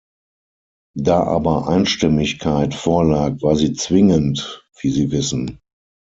Da aber Einstimmigkeit vorlag, war sie zwingend, wie Sie wissen.